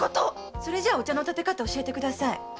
それじゃお茶の点てかたを教えてください。